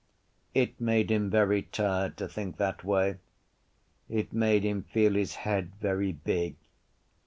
It made him very tired to think that way. It made him feel his head very big.